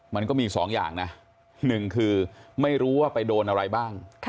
มันก็มีสองอย่างนะหนึ่งคือไม่รู้ว่าไปโดนอะไรบ้าง